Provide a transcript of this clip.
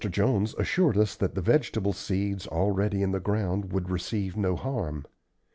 Jones assured us that the vegetable seeds already in the ground would receive no harm.